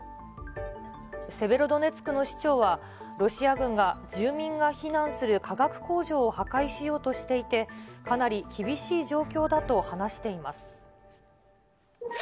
セベロドネツクの市長は、ロシア軍が住民が避難する化学工場を破壊しようとしていて、かなり厳しい状況だと話しています。